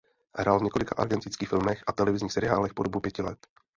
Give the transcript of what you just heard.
Hrál v několika argentinských filmech a televizních seriálech po dobu pěti let.